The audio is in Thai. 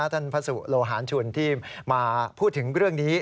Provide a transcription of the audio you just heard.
พระสุโลหารชุนที่มาพูดถึงเรื่องนี้